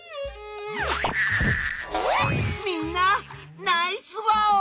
みんなナイスワオ！